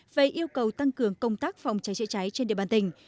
về yêu cầu tăng cường công tác phòng cháy chữa cháy trên địa bàn tỉnh